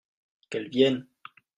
Qu'elle vienne !